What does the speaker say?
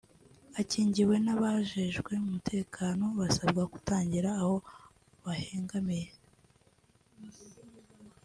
akingiwe n'abajejwe umutekano basabwa kutagira aho bahengamiye